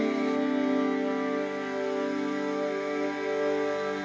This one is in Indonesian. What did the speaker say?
ketika penyelamatkan kepadanya di tarsius